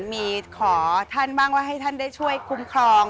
มีขอให้ท่านได้คุ้มครอง